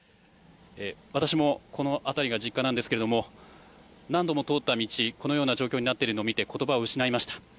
私もこの辺りが実家なんですけれども何度も通った道このような状況になっているのを見て言葉を失いました。